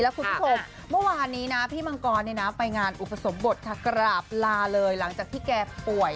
และคุณทุกคนเมื่อวานนี้พี่มังกรไปงานอุปสรรพบทลาเลยหลังจากที่แกป่วย